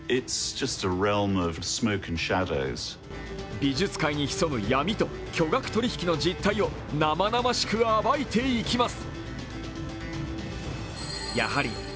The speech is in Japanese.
美術界に潜む闇と巨額取引きの実態を生々しく暴いていきます。